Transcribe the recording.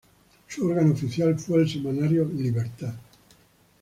Su órgano oficial fue el semanario "Libertad".